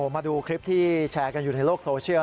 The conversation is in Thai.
มาดูคลิปที่แชร์กันอยู่ในโลกโซเชียล